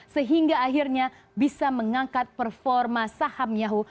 sehingga akhirnya bisa mengangkat performa saham yahoo